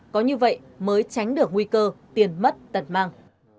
có như vậy mới tránh được nguy cơ tiền mất tật mang